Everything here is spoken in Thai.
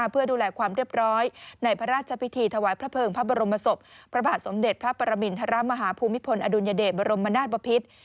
เพื่อดูแลความเรียบร้อยในพระราชพิธีถวายพระเภิงพระบรมศพพระบาทสมเด็จพระปรมินทรมาฮภูมิพลอดุลยเดชบรมนาศบพิษ